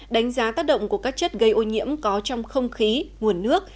đánh giá tác động của các chất gây ô nhiễm có trong không khí nguồn nước